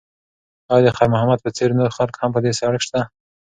ایا د خیر محمد په څېر نور خلک هم په دې سړک شته؟